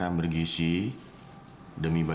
terima kasih pak